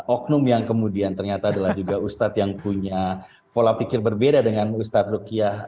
oknum yang kemudian ternyata adalah juga ustadz yang punya pola pikir berbeda dengan ustadz rukyah